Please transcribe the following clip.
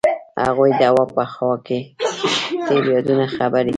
هغوی د هوا په خوا کې تیرو یادونو خبرې کړې.